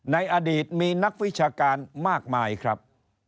ในอดีตมีนักวิชาการมากมายครับ